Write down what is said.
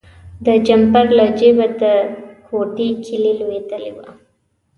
د جمپر له جیبه د کوټې کیلي لویدلې وه.